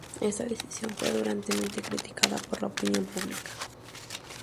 Esta decisión fue duramente criticada por la opinión pública.